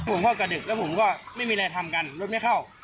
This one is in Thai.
ผมก็กระดึกแล้วผมก็ไม่มีอะไรทำกันรถไม่เข้า